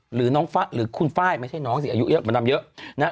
หรือคุณฟ้ายไม่ใช่น้องสิอายุเยอะมันทำเยอะนะ